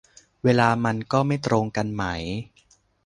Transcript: เวลามันก็ไม่ตรงกันไหม